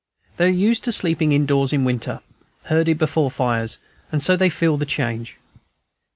They are used to sleeping indoors in winter, herded before fires, and so they feel the change.